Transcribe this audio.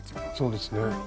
そうですね。